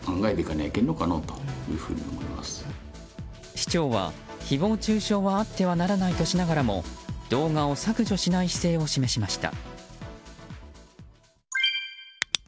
市長は誹謗中傷はあってはならないとしながらも動画を削除しない姿勢を示しました。